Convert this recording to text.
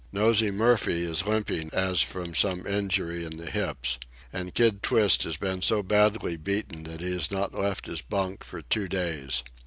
Nosey Murphy is limping as from some injury in the hips. And Kid Twist has been so badly beaten that he has not left his bunk for two days.